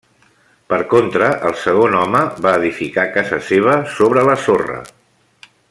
Per contra el segon home va edificar casa seva sobre la sorra.